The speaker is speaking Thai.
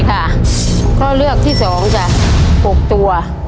ตู้เลือกที่สอง๖ตัว